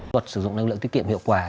bộ sử dụng năng lượng tiết kiệm hiệu quả